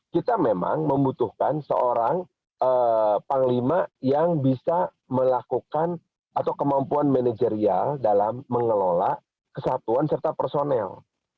kita memang membutuhkan seorang panglima yang bisa melakukan atau kemampuan manajerial dalam mengelola kesatuan serta personel